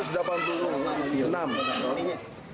jumlah balitanya sendiri berapa